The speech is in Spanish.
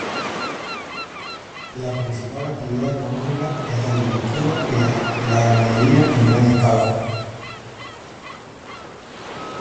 La principal actividad económica es la agricultura y la ganadería en gran escala.